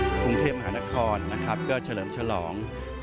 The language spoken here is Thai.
กรุงเทพฯหานครเฉลิมฉลอง